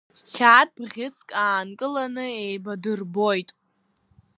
Қьаад бӷьыцк аанкыланы еибадырбоит.